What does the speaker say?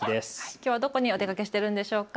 きょうはどこにお出かけしているのでしょうか。